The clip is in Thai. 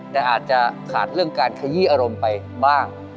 แต่อาจจะขาดเรื่องการขยี้อารมณ์ไปบ้าง